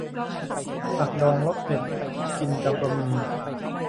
ผักดองรสเผ็ด กินกับบะหมี่